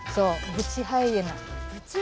ブチハイエナ。